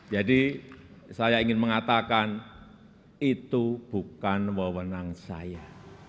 jadi saya ingin mengatakan itu bukan wawanan saya